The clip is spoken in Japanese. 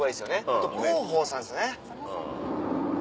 あと広報さんですね。